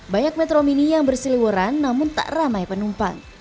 banyak metro mini yang bersiliweran namun tak ramai penumpang